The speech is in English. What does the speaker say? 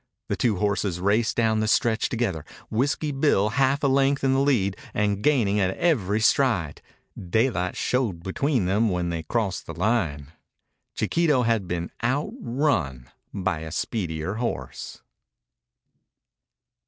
The two horses raced down the stretch together, Whiskey Bill half a length in the lead and gaining at every stride. Daylight showed between them when they crossed the line. Chiquito had been outrun by a speedier horse.